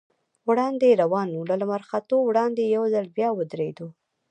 وړاندې روان و، له لمر راختو وړاندې یو ځل بیا ودرېدو.